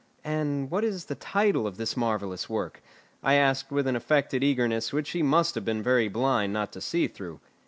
"And what is the title of this marvellous work?" I asked with an affected eagerness which he must have been very blind not to see through.